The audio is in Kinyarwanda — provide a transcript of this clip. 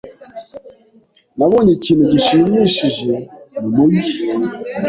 Nabonye ikintu gishimishije mumujyi.